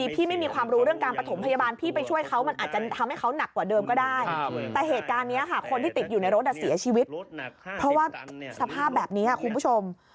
เพราะว่าสภาพแบบนี้คุณผู้ชม